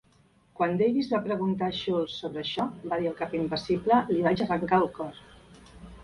Quan Davis va preguntar a Schultz sobre això, va dir el cap impassible, li vaig arrencar el cor.